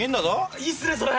いいっすねそれ！